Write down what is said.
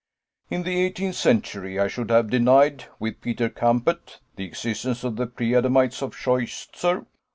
In the eighteenth century I should have denied, with Peter Campet, the existence of the preadamites of Scheuchzer.